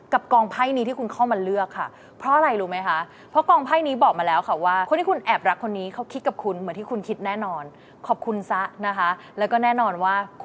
กับกองไพ่ที่คุณเข้ามาเลือกค่ะ